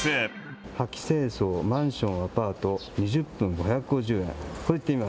掃き清掃、マンション・アパート、２０分５５０円。